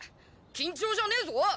緊張じゃねえぞ。